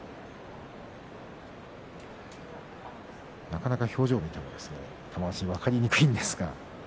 なかなか表情見ても玉鷲は分かりにくいんですが。